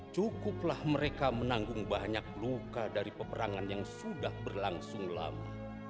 cukuplah mereka menanggung banyak luka dari peperangan yang sudah berlangsung lama